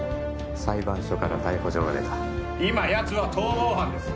裁判所から逮捕状が出た今やつは逃亡犯です